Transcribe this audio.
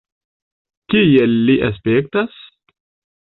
Kiel li aspektas?